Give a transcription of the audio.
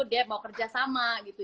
dia mau kerja sama gitu